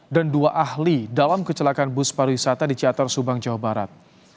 dan dua ahli dalam kecelakaan bus pariwisata di ciatar subang jawa barat